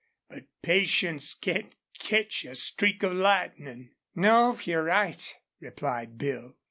But patience can't catch a streak of lightnin'." "Nope; you're right," replied Bill.